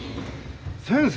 先生？